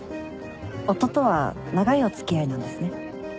夫とは長いお付き合いなんですね。